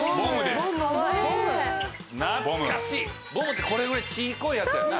『ＢＯＭＢ！』ってこれぐらい小っこいやつやんな。